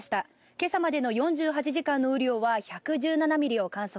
今朝までの４８時間の雨量は１１７ミリを観測。